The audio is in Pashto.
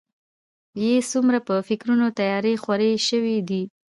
يې څومره په فکرونو تيارې خورې شوي دي.